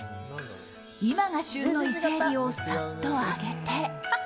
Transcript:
今が旬の伊勢エビをさっと揚げて。